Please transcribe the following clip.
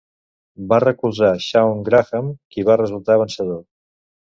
Va recolzar Shawn Graham, qui va resultar vencedor.